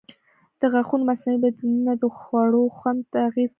د غاښونو مصنوعي بدیلونه د خوړو خوند ته اغېز کوي.